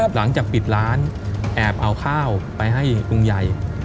หลังจากปิดร้านแอบเอาข้าวไปให้ลุงใหญ่